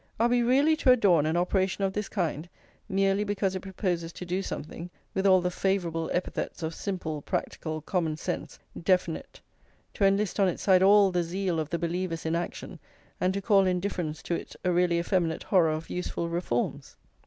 Are we really to adorn an operation of this kind, merely because it proposes to do something, with all the favourable epithets of simple, practical, common sense, definite; to enlist on its side all the zeal of the believers in action, and to call indifference to it a really effeminate horror of useful reforms?